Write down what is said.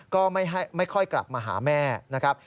ก็ไม่ค่อยกลับมาหาแม่นะครับ